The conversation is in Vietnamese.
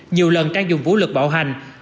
nhiều lần trang dùng vũ lực bạo hành